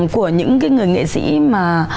của những người nghệ sĩ mà